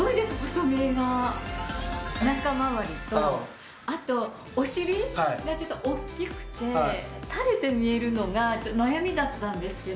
お腹回りとあとお尻がちょっと大きくて垂れて見えるのが悩みだったんですけど。